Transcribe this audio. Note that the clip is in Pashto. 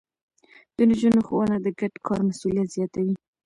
د نجونو ښوونه د ګډ کار مسووليت زياتوي.